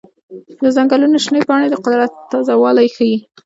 د ځنګلونو شنه پاڼې د قدرت تازه والی ښيي.